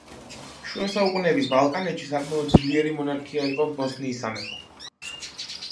შუა საუკუნეების ბალკანეთში საკმაოდ ძლიერი მონარქია იყო ბოსნიის სამეფო.